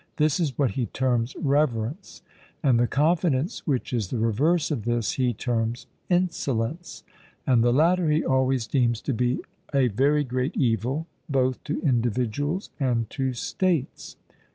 This is what he terms reverence, and the confidence which is the reverse of this he terms insolence; and the latter he always deems to be a very great evil both to individuals and to states.